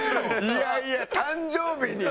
いやいや誕生日に？